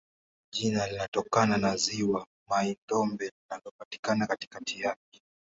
Jina linatokana na ziwa Mai-Ndombe linalopatikana katikati yake.